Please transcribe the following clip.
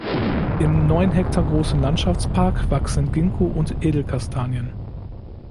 Im neun Hektar großen Landschaftspark wachsen Ginkgo und Edelkastanien.